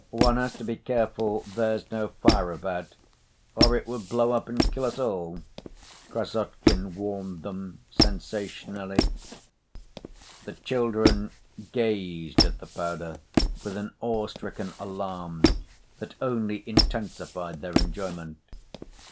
"One has to be careful there's no fire about, or it would blow up and kill us all," Krassotkin warned them sensationally. The children gazed at the powder with an awe‐stricken alarm that only intensified their enjoyment.